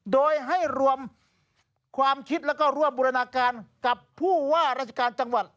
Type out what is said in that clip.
โดยให้รวมความคิดแล้วก็ร่วมบูรณาการกับผู้ว่าราชการจังหวัด